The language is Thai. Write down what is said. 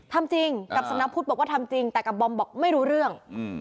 ทำจริงกับสำนักพุทธบอกว่าทำจริงแต่กับบอมบอกไม่รู้เรื่อง